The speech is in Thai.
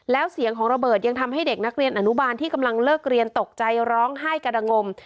แล้วเสียงของระเบิดยังทำให้เด็กนักเรียนอนุบาลที่กำลังเลิกเรียนตกใจร้องไห้กระดังงม